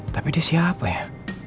tapi dia siapa ya